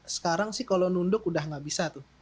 sekarang kalau nunduk sudah tidak bisa tuh